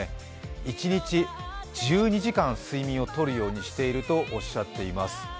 一日１２時間睡眠を取るようにしているとおっしゃっています。